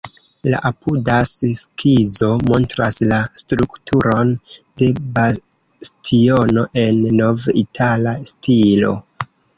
La apudas skizo montras la strukturon de bastiono en "nov-itala stilo".